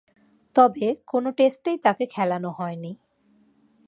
তবে, কোন টেস্টেই তাকে খেলানো হয়নি।